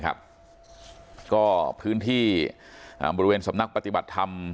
ก็พื้นที่บริเวณสำนักปฏิบัติธรรม